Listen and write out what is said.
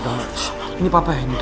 detik belang itu tidakrieb